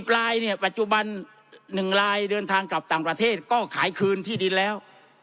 ลายเนี่ยปัจจุบัน๑ลายเดินทางกลับต่างประเทศก็ขายคืนที่ดินแล้ว